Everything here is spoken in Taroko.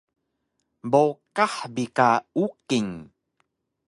Bowqax bi ka Uking